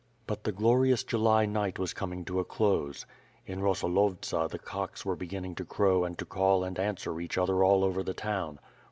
But the glorious July night was coming to a close. In Rosolovtsa the cocks were beginning to crow and to call and answer each other all over the town.